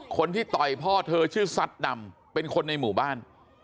คนที่ต่อยพ่อเธอชื่อซัดดำเป็นคนในหมู่บ้าน